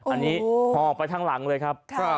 อันนี้ห่อไปทั้งหลังเลยครับ